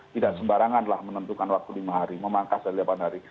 tidak sembarangan lah menentukan waktu lima hari memangkas dan delapan hari